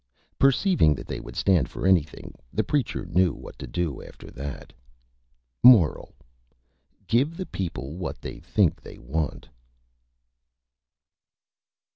Perceiving that they would stand for Anything, the Preacher knew what to do after that. MORAL: _Give the People what they Think they want.